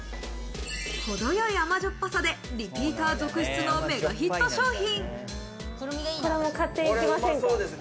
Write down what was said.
程よい甘じょっぱさでリピーター続出のメガヒット商品。